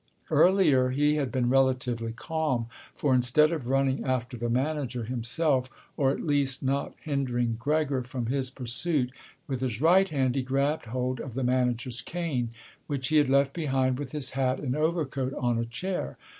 Earlier he had been relatively calm, for instead of running after the manager himself or at least not hindering Gregor from his pursuit, with his right hand he grabbed hold of the manager's cane, which he had left behind with his hat and overcoat on a chair.